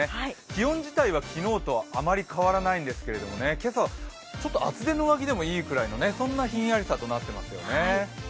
気温自体は昨日とあまり変わらないんですけどね、今朝はちょっと厚手の上着でもいいぐらいの、そんなひんやりさとなっていますよね。